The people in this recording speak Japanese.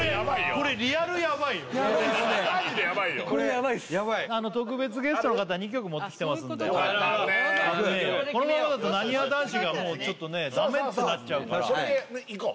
これヤバいっす特別ゲストの方２曲持ってきてますんでこのままだとなにわ男子がもうダメってなっちゃうからいこう